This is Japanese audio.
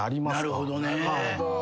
なるほどね。